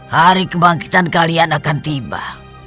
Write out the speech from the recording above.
hari kebangkitan kalian akan tiba